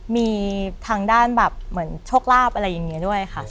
มีทางด้านแบบเหมือนโชคลาภอะไรอย่างนี้ด้วยค่ะ